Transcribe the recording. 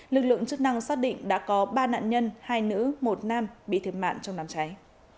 lực lượng chức năng xác định đã có ba nạn nhân hai nữ một nam bị thiệt mạng trong đám cháy